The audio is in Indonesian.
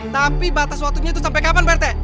tapi batas waktunya itu sampai kapan mbak rt